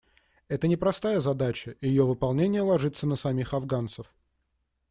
Это непростая задача, и ее выполнение ложится на самих афганцев.